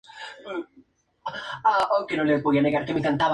Sus atractivas frutas son grandes y ligeramente espinosas.